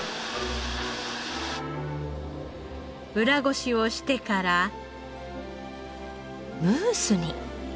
裏ごしをしてからムースに。